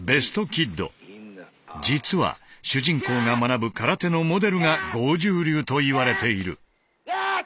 実は主人公が学ぶ空手のモデルが剛柔流といわれている。